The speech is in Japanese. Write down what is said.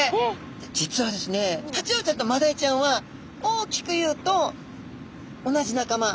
タチウオちゃんとマダイちゃんは大きく言うと同じ仲間。